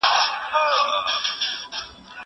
زه کتاب ليکلی دی!!